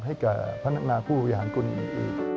ให้กับพัฒนาคุณภาพผู้บริหารคุณอื่น